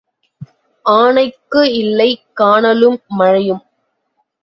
ஆனைக்கு இல்லை கானலும் மழையும்.